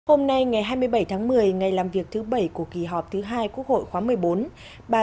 hôm nay ngày hai mươi bảy tháng một mươi ngày làm việc thứ bảy của kỳ họp thứ hai quốc hội khóa một mươi bốn